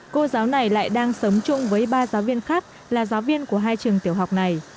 cô giáo này lại đang sống chung với ba giáo viên khác là giáo viên của hai trường tiểu học này